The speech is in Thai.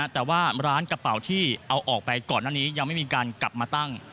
แต่ว่าร้านกระเป๋าที่เอาออกไปก่อนหน้านี้ยังไม่มีการกลับมาตั้ง